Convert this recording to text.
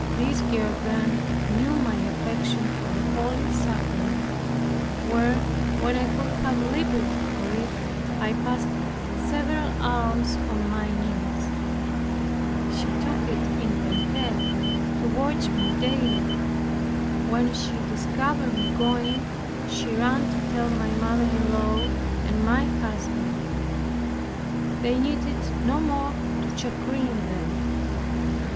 This girl then knew my affection for the holy sacrament, where, when I could have liberty for it, I passed several hours on my knees. She took it in her head to watch me daily. When she discovered me going, she ran to tell my mother in law and my husband. There needed no more to chagrin them.